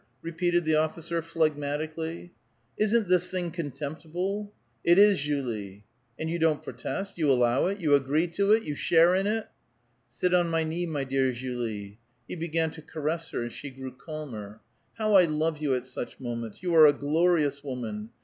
repeated the officer, phlegmatically. '' Isn't this thing contemptible?" " It is, Julie." " And you don't protest? You allow it? You agi*ee to it? You share in it? ''Sit on my knee, my dear Julie." He began to caress her, and she grew calmer. ^'IIow I love you at such moments ! You are a glorious woman.